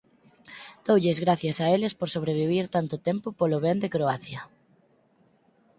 Doulles grazas a eles por sobrevivir tanto tempo polo ben de Croacia".